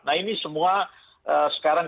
nah ini semua sekarang